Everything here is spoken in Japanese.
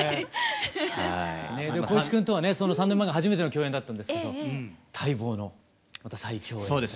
光一君とはねその３年前が初めての共演だったんですけど待望のまた再共演です。